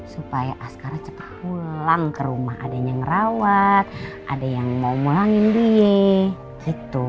supaya askara cepet pulang ke rumah ada yang ngerawat ada yang mau ngurangin dia gitu ya